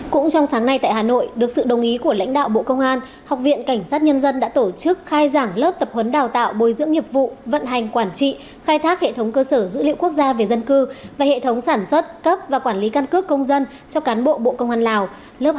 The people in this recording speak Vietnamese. cũng trong sáng nay tại hà nội được sự đồng ý của lãnh đạo bộ công an học viện cảnh sát nhân dân đã tổ chức khai giảng lớp tập huấn đào tạo bồi dưỡng nghiệp vụ vận hành quản trị khai thác hệ thống cơ sở dữ liệu quốc gia về dân cư và hệ thống sản xuất cấp và quản lý căn cước công dân cho cán bộ bộ công an lào